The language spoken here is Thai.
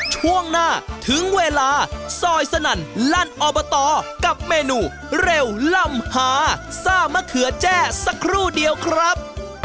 ช่วงหน้าถึงเวลาซอยสนั่นลั่นอบตกับเมนูเร็วล่ำหาซ่ามะเขือแจ้สักครู่เดียวครับ